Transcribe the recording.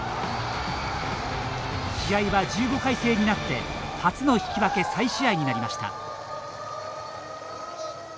試合は１５回制になって初の引き分け再試合になりました。